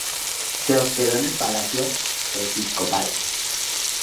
Se hospedó en el Palacio episcopal.